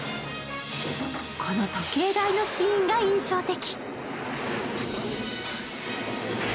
この時計台のシーンが印象的。